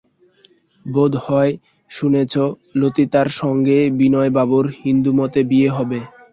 বোধ হয় শুনেছ ললিতার সঙ্গে বিনয়বাবুর হিন্দুমতে বিয়ে হবে?